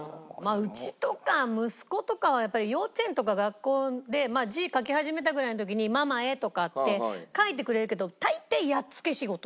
うちとか息子とかはやっぱり幼稚園とか学校で字を書き始めたぐらいの時に「ママへ」とかって書いてくれるけど大抵やっつけ仕事。